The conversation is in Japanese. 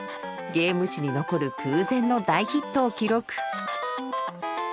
ゲーム史に残る空前の大ヒットを記録。